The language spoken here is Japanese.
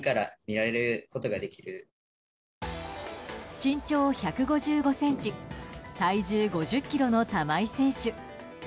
身長１５５ｃｍ体重５０ｋｇの玉井選手。